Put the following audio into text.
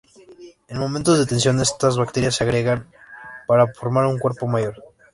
En momentos de tensión, estas bacterias se agregarán para formar un cuerpo mayor.